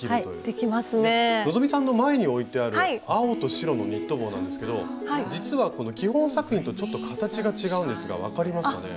希さんの前に置いてある青と白のニット帽なんですけど実はこの基本作品とちょっと形が違うんですが分かりますかね？